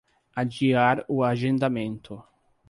Adiar o agendamento